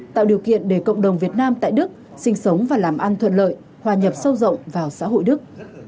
tạo điều kiện để cộng đồng việt nam tại đức sinh sống và làm ăn thuận lợi hòa nhập sâu rộng vào xã hội đức